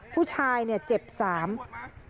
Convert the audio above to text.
ผู้ชายเจ็บ๓คุณผู้ชม